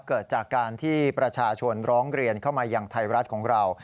เกิดจากการที่ประชาชนร้องเรียนเข้ามาอย่างไทยรัฐของเรา